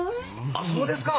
あっそうですか！